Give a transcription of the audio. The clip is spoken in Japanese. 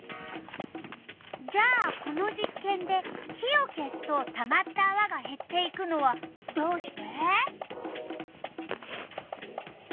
じゃあこの実験で火を消すとたまったあわがへっていくのはどうして？